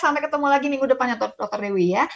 sampai ketemu lagi minggu depannya dr dewi ya